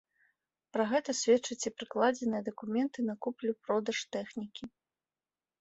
Пра гэта сведчаць і прыкладзеныя дакументы на куплю-продаж тэхнікі.